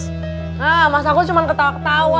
hah mas agus cuma ketawa ketawa